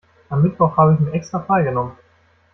Am Mittwoch habe ich mir extra freigenommen.